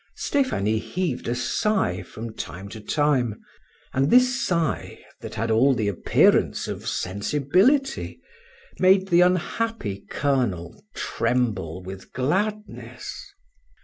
Stephanie heaved a sigh from time to time, and this sigh, that had all the appearance of sensibility, made the unhappy colonel tremble with gladness.